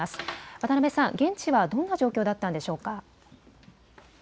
渡辺さん、現地はどんな状況だったんでしょうか。